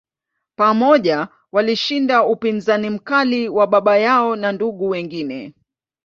Pamoja, walishinda upinzani mkali wa baba yao na ndugu wengine.